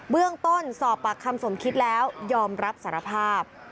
เรื่องต้นสอบปากคำสมคิดแล้วยอมรับสารภาพ